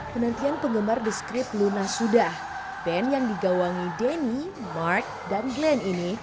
penantian penggemar the script luna sudah band yang digawangi danny mark dan glenn ini